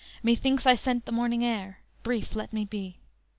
methinks I scent the morning air; Brief let me be.